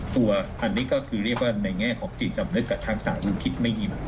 ตัวอันนี้ก็คือเรียกว่าในแง่ของจิตสำนึกกับทางสารลุงคิดไม่ยิน